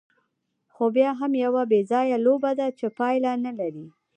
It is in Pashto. خو بیا هم یوه بېځایه لوبه ده، چې پایله نه لري.